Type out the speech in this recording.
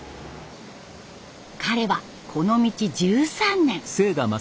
彼はこの道１３年。